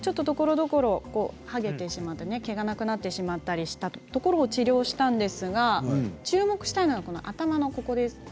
ところどころ毛がはげてしまって毛がなくなってしまったりしたところを治療したんですが注目したいのは頭の。